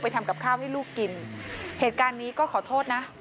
ทำกับข้าวให้ลูกกินเหตุการณ์นี้ก็ขอโทษนะ